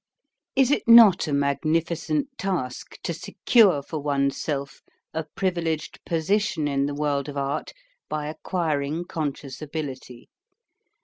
Is it not a magnificent task to secure for oneVself a privileged position in the world of art by acquiring conscious ability?